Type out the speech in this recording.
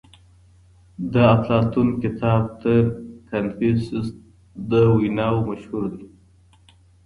د افلاطون کتاب تر کنفوسوس د ويناوو مشهور دی.